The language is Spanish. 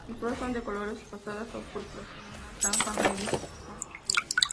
Sus flores son de colores rosados a púrpuras, con una franja media más oscura.